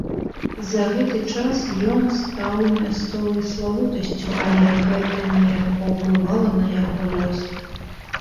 За гэты час ён стаў мясцовай славутасцю, але гэта не паўплывала на яго лёс.